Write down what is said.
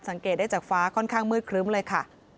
สังเกตได้จากฟ้าค่อนข้างมืดครึ้มเลยค่ะ